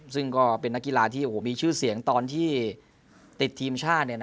ซึ่งก็เป็นนักกีฬาที่มีชื่อเสียงตอนที่ติดทีมชาติ